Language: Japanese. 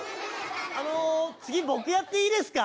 あの次僕やっていいですか？